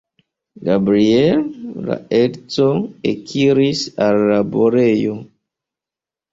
Gabriel, la edzo, ekiris al la laborejo.